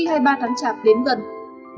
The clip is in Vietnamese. khi hai mươi ba tháng chạp đến với các gia đình trẻ